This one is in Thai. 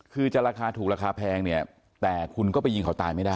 คือจะราคาถูกราคาแพงเนี่ยแต่คุณก็ไปยิงเขาตายไม่ได้